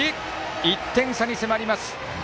１点差に迫ります。